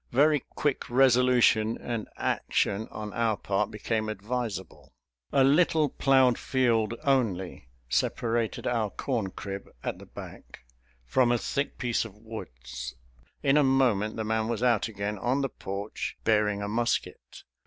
Very quick resolution and action on our part became advisable. A little plowed field only separated our corn crib, at the back, from a thick piece of woods. In a moment the man was out again on the porch, bearing a musket.